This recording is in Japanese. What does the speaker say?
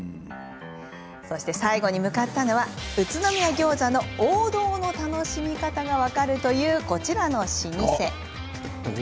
そして最後に向かったのは宇都宮ギョーザの王道の楽しみ方が分かるというこちらの老舗。